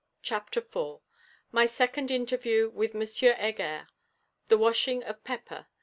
CHAPTER IV MY SECOND INTERVIEW WITH M. HEGER. THE WASHING OF 'PEPPER.'